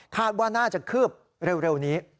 ว่าน่าจะคืบเร็วนี้